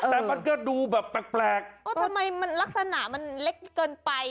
แต่มันก็ดูแบบแปลกเออทำไมมันลักษณะมันเล็กเกินไป